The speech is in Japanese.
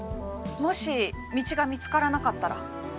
もし道が見つからなかったら？